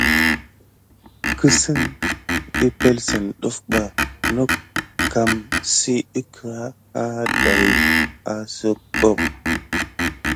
Kisin epəŋle sine def ba nokan əkəra a dayi asokob.